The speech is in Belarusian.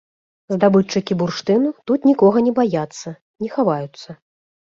Здабытчыкі бурштыну тут нікога не баяцца, не хаваюцца.